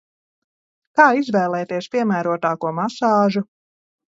Kā izvēlēties piemērotāko masāžu?